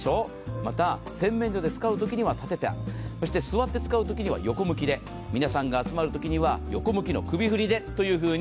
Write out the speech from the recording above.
また洗面所で使うときには立てて、そして座って使うときには横向きで皆さんが集まるときは横向きの首振りでというふうに。